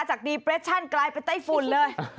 จากดีเปรชั่นกลายเป็นไต้ฝุ่นเลย